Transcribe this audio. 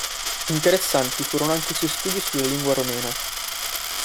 Interessanti furono anche i suoi studi sulla lingua romena.